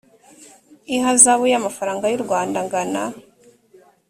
ihazabu y amafaranga y u rwanda angana